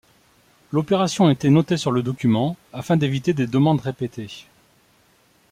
L'opération était notée sur le document afin d'éviter des demandes répétées.